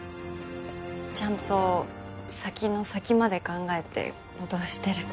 ちゃんと先の先まで考えて行動してる。